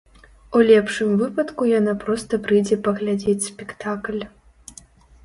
У лепшым выпадку яна проста прыйдзе паглядзець спектакль.